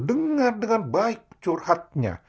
dengar dengan baik curhatnya